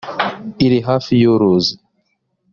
iri hafi yuruzi